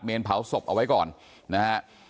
เผาศพเอาไว้ก่อนนะฮะ